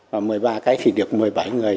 và một mươi ba cái thì được một mươi bảy người